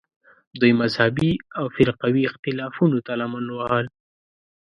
دوی مذهبي او فرقوي اختلافونو ته لمن وهل